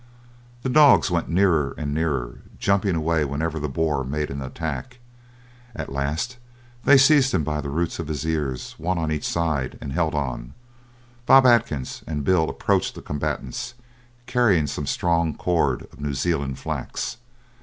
The dogs went nearer and nearer, jumping away whenever the boar made an attack. At last they seized him by the roots of his ears, one on each side, and held on. Bob Atkins and Bill approached the combatants, carrying some strong cord, of New Zealand flax.